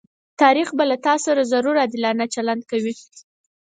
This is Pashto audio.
تاريخ به له تاسره ضرور عادلانه چلند کوي.